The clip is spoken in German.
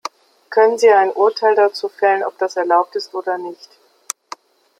Können Sie ein Urteil dazu fällen, ob das erlaubt ist oder nicht.